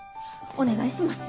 お願いします。